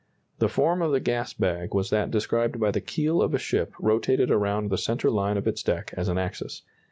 The form of the gas bag was that described by the keel of a ship rotated around the centre line of its deck as an axis.